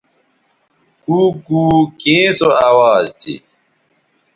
کُوکُو کیں سو اواز تھی؟